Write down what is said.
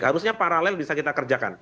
harusnya paralel bisa kita kerjakan